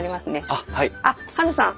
あっハルさん